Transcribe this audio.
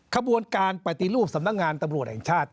ขบวนการปฏิรูปสำนักงานตำรวจแห่งชาติ